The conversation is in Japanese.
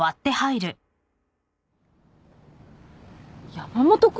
山本君？